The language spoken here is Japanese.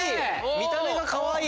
見た目がかわいい。